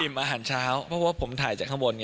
อิ่มอาหารเช้าให้ผมถ่ายจากข้างบนไง